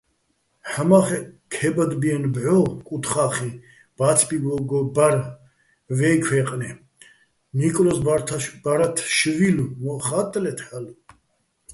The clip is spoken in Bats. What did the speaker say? ჰ̦ამა́ხეჸ ქე́ბადბიენო̆ ბჵო კუთხახიჼ ბა́ცბიგო ბარ ვეჲ ქვეჲყნე, ნიკლო́ზ ბა́რათშვილ მო́ჸ ხა́ტტლეთ ჰ̦ალო̆.